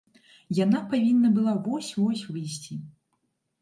Яна павінна была вось-вось выйсці.